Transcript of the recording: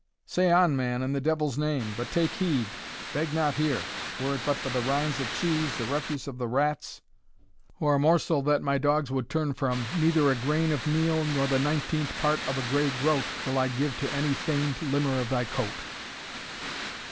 "Say on man, in the devil's name but take heed beg not here were it but for the rinds of cheese, the refuse of the rats, or a morsel that my dogs would turn from neither a grain of meal, nor the nineteenth part of a gray groat, will I give to any feigned limmer of thy coat."